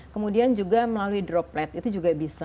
kemudian juga melalui droplet itu juga bisa